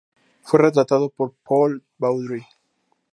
Fue retratado por Paul Baudry.